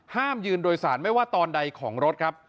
ห้ามยืนโดยสารไม่ว่าตอนใดของรถครับ